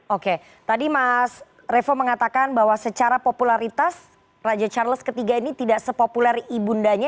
oke tadi mas revo mengatakan bahwa secara popularitas raja charles iii ini tidak sepopuler ibundanya